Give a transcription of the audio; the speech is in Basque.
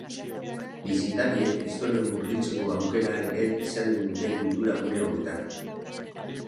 Bisitariek historian murgiltzeko aukera ere izanen dute kultura gune honetan.